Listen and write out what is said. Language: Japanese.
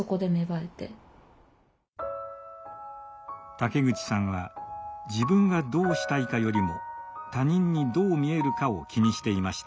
竹口さんは自分がどうしたいかよりも他人にどう見えるかを気にしていました。